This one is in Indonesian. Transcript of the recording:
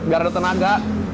nggak ada tenaga